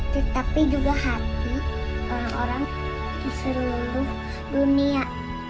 tetapi juga hati orang orang di seluruh dunia